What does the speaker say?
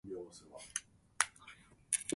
ヒノカミ神楽烈日紅鏡（ひのかみかぐられつじつこうきょう）